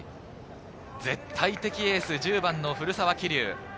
絶対的エース、１０番の古澤希竜。